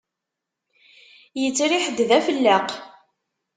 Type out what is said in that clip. Yettriḥ-d d afelleq.